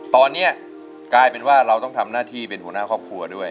ตอนนี้กลายเป็นว่าเราต้องทำหน้าที่เป็นหัวหน้าครอบครัวด้วย